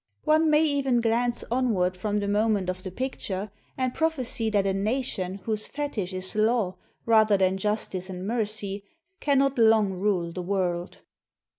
One may even glance onward from the moment of the picture and prophesy that a nation whose fetish is law rather than justice and mercy cannot long rule the world.